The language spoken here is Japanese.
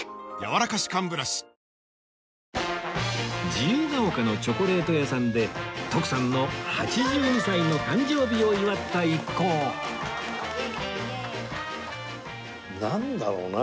自由が丘のチョコレート屋さんで徳さんの８２歳の誕生日を祝った一行なんだろうな？